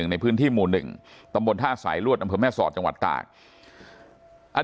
ในพื้นที่หมู่๑ตำบลท่าสายรวดตำเพื่อแม่ศอดปักษ์